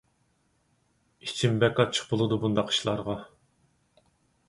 ئىچىم بەك ئاچچىق بولىدۇ بۇنداق ئىشلارغا.